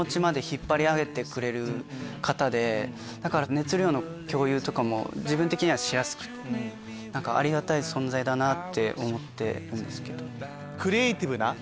熱量の共有とかも自分的にはしやすくてありがたい存在だなって思ってるんすけど。